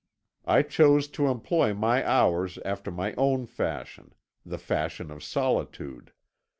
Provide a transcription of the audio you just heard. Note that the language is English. I chose to employ my hours after my own fashion the fashion of solitude.